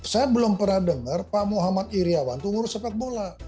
saya belum pernah dengar pak muhammad iryawan itu ngurus sepak bola